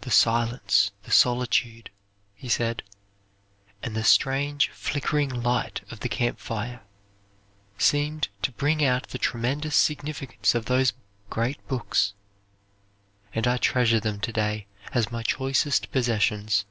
"The silence, the solitude," he said, "and the strange flickering light of the camp fire, seemed to bring out the tremendous significance of those great books; and I treasure them to day as my choicest possessions."